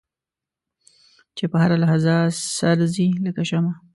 چې په هره لحظه سر ځي لکه شمع.